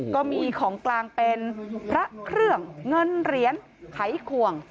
ก็มีของกลางเป็นพระเครื่องเงินเหรียญไขควง